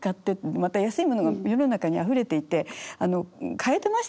また安いものが世の中にあふれていて買えてましたからね。